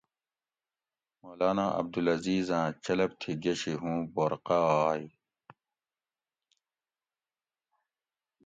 مولانا عبدالعزیز آۤں چلپ تھی گشی ھُوں بورقہ آئ